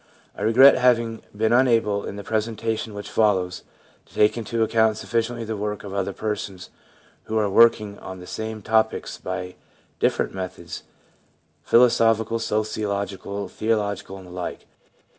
I regret having been unable, in the presentation which follows, to take into account sufficiently the work of other persons who are working on the same topics by different methods — philosophical, sociological, theological, and the like.